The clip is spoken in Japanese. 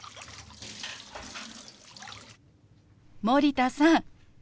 森田さん